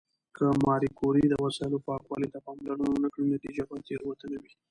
که ماري کوري د وسایلو پاکوالي ته پاملرنه ونه کړي، نتیجه به تېروتنه وي.